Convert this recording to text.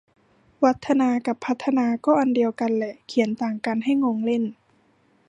วัฒนา กับพัฒนา ก็อันเดียวกันแหละ เขียนต่างกันให้งงเล่น